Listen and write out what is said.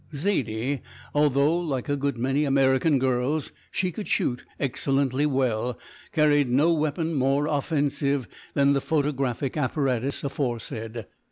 Zaidie, although like a good many American girls she could shoot excellently well, carried no weapon more offensive than the photographic apparatus aforesaid.